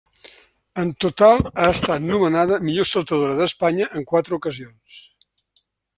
En total ha estat nomenada millor saltadora d'Espanya en quatre ocasions.